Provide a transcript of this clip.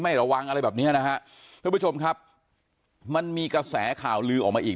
ระวังอะไรแบบเนี้ยนะฮะท่านผู้ชมครับมันมีกระแสข่าวลือออกมาอีก